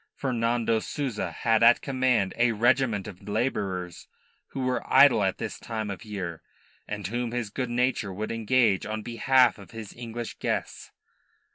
Fernando Souza had at command a regiment of labourers, who were idle at this time of year, and whom his good nature would engage on behalf of his English guests.